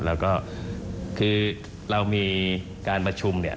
แล้วก็คือเรามีการประชุมเนี่ย